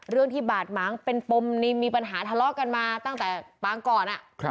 เรื่องที่บาดหมางเป็นปมมีปัญหาทะเลาะกันมาตั้งแต่ปางก่อน